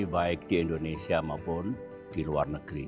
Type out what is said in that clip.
baik di indonesia maupun di luar negeri